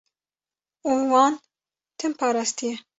û wan tim parastiye.